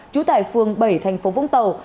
trú tại phường bảy thành phố vũng tàu